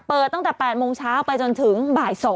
ตั้งแต่๘โมงเช้าไปจนถึงบ่าย๒